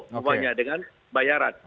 semuanya dengan bayaran